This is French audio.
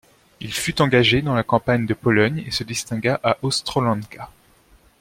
Il fut engagé dans la Campagne de Pologne et se distingua à Ostrolenka.